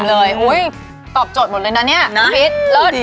โอ้ยตอบโจทย์หมดเลยนะคุณพีชเลิศ